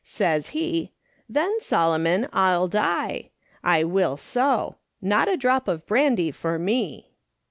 Says he :' Then, Solomon, I'll die ; I will so ; not a drop of brandy for me